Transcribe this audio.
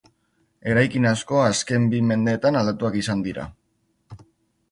Eraikin asko azken bi mendeetan aldatuak izan dira.